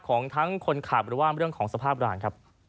ของคนขับหรือสภาพหล่าง